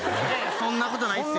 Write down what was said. そんなことないっすよ